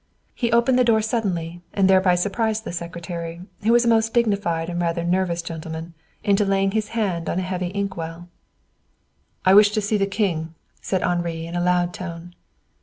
He opened the door suddenly and thereby surprised the secretary, who was a most dignified and rather nervous gentleman, into laying his hand on a heavy inkwell. "I wish to see the King," said Henri in a loud tone.